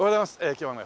今日はね